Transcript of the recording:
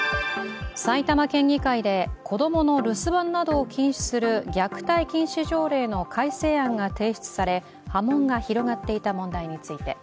埼玉県議会で子供の留守番などを禁止する虐待禁止条例の改正案が提出され、波紋が広がっていた問題について。